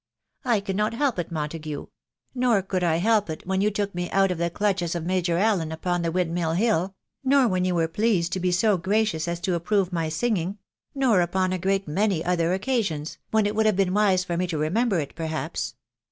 " I cannot help it, Montague .... nor could I help it when you took me out of the clutches of Major Allen, upon the Windmill Hill, nor when you pleased to be so gracious as to approve my singing .... nor upon a great many other oc casions, when it would have been wise for me to remember it, perhaps.